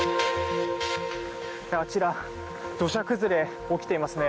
あちら、土砂崩れが起きていますね。